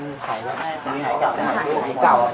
ให้ถ่ายเสา